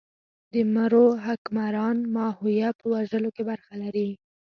د مرو حکمران ماهویه په وژلو کې برخه لري.